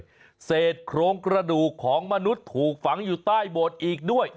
เดี๋ยวกับนี่เลยเศษโครงกระดูกของมนุษย์ถูกฝังอยู่ใต้โบสถ์อีกด้วย